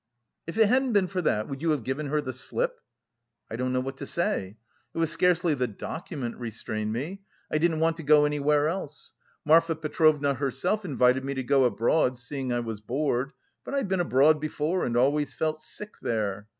"If it hadn't been for that, would you have given her the slip?" "I don't know what to say. It was scarcely the document restrained me. I didn't want to go anywhere else. Marfa Petrovna herself invited me to go abroad, seeing I was bored, but I've been abroad before, and always felt sick there.